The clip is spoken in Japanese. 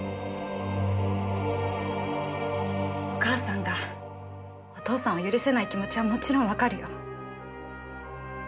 お母さんがお父さんを許せない気持ちはもちろんわかるよ。